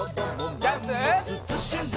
ジャンプ！